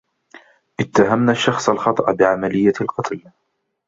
إتهمنا الشخص الخطأ بعملية القتل.